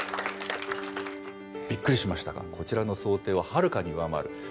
びっくりしましたがこちらの想定をはるかに上回る。